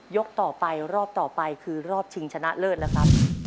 ต่อไปรอบต่อไปคือรอบชิงชนะเลิศนะครับ